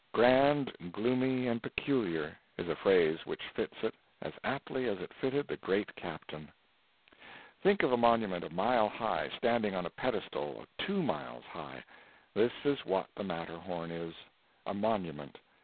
"Grand, gloomy, and peculiar," is a phrase which fits it as aptly as it fitted the great captain. Think of a monument a mile high, standing on a pedestal two miles high! This is what the Matterhorn is a monument.